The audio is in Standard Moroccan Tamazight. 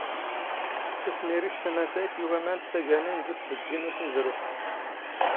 ⵜⴰⵙⵎⵉⵔⵉⵜ ⵜⴰⵎⴰⵜⵜⴰⵢⵜ ⵉ ⵡⴰⵎⴰⵏ ⴷ ⵜⴰⴳⴰⵏⵉⵏ ⴷ ⵓⵙⴱⴷⴷⵉ ⵏ ⵓⵙⵏⵣⵔⵓⴼ.